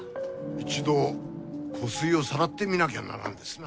一度湖水をさらってみなきゃならんですな。